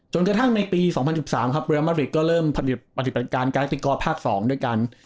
จนกระทั่งในปี๒๐๑๓บริมาตริกก็เริ่มปฏิบัติการกาแรคติกอร์ภาค๒ด้วยกัน